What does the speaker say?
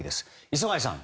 磯貝さん。